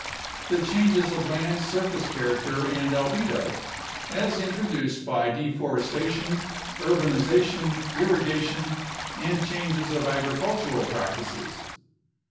The changes of land surface character and albedo, as introduced by deforestation, urbanization, irrigation, and changes of agricultural practices.